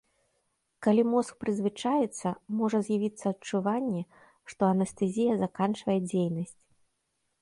Калі мозг прызвычаіцца, можа з'явіцца адчуванне, што анестэзія заканчвае дзейнічаць.